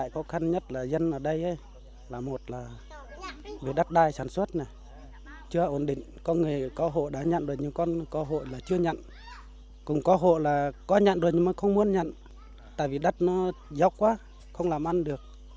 có nhận rồi nhưng mà không muốn nhận tại vì đất nó dốc quá không làm ăn được